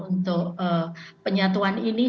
untuk penyatuan ini